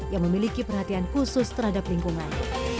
yang memiliki perhatian khusus terhadap lingkungan